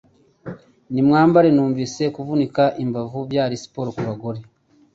Nibwambere numvise kuvunika imbavu byari siporo kubagore